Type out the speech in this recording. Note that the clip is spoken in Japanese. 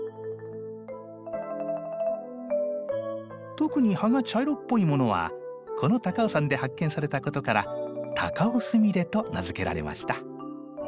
特に葉が茶色っぽいものはこの高尾山で発見されたことから「タカオスミレ」と名付けられました。